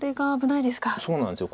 そうなんです。